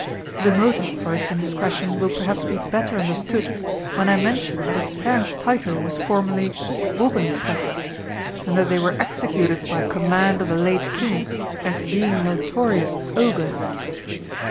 The motive for his indiscretion will perhaps be better understood when I mention that his parents' title was formerly Bubenfresser, and that they were executed by command of the late King as being notorious ogres."